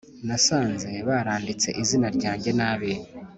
nasanze baranditse izina ryanjye nabi